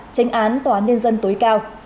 tranh án tòa nhân dân tối cao